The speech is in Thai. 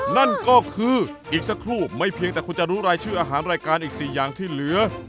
นั่นก็คืออีกสักครู่ไม่เพียงแต่คุณจะรู้รายชื่ออาหารรายการอีก๔อย่างที่เหลือ